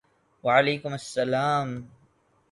وعلیکم السلام ！